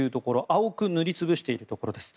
青く塗りつぶしているところです。